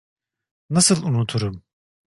Nasıl unuturum?